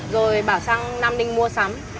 rồi bảo sang nam ninh mua sắm